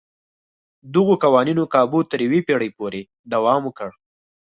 دغو قوانینو کابو تر یوې پېړۍ پورې دوام وکړ.